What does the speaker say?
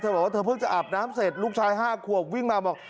บอกว่าเธอเพิ่งจะอาบน้ำเสร็จลูกชาย๕ขวบวิ่งมาบอก